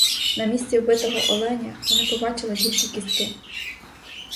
На місці вбитого оленя вони побачили тільки кістки.